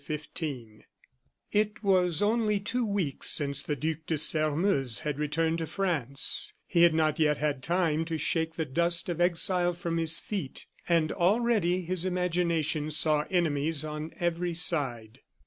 CHAPTER XV It was only two weeks since the Duc de Sairmeuse had returned to France; he had not yet had time to shake the dust of exile from his feet, and already his imagination saw enemies on every side.